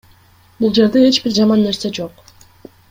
Бул жерде эч бир жаман нерсе жок.